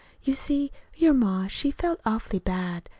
You see your ma she felt awful bad.